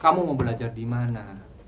kamu mau belajar dimana